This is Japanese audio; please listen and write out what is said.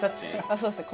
そうですね。